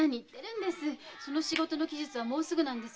その仕事の期日はもうすぐですよ